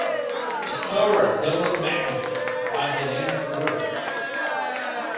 Explorer Donald Mackenzie likely named the river.